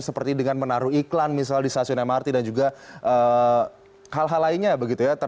seperti dengan menaruh iklan misalnya di stasiun mrt dan juga hal hal lainnya begitu ya